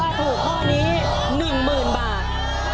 ถ้าถูกข้อนี้๑หมื่นบาท